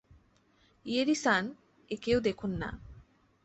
ইয়েরি-সান, একেও দেখুন না।